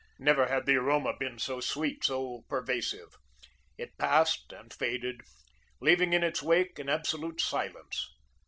Never had the aroma been so sweet, so pervasive. It passed and faded, leaving in its wake an absolute silence.